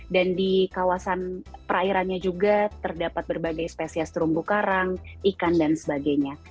dan di kawasan perairannya juga terdapat berbagai spesies terumbu karang ikan dan sebagainya